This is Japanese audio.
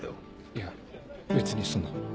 いや別にそんな。